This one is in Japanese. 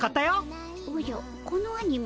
おじゃこのアニメ